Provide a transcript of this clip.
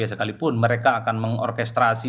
sekalipun mereka akan mengorkestrasi